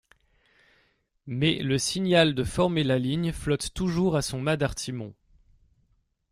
Mais le signal de former la ligne flotte toujours à son mat d'artimon...